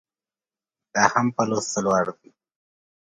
دا هم په لوستلو ارزي